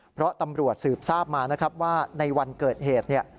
เพราะตำรวจสืบทราบมาว่าในวันเกิดเหตุ